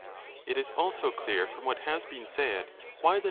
® It is also clear from what has been said why the number 270°